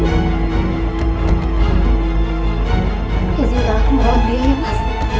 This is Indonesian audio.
ya jangan tak laku mengolah beliau ya mas